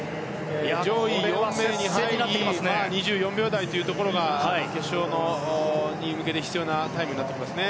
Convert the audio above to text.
上位４名２４秒台というところが決勝に向けて必要なタイムになってきます。